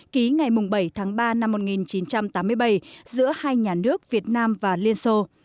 ký ngày bảy tháng ba năm một nghìn chín trăm tám mươi bảy giữa hai nhà nước việt nam và liên xô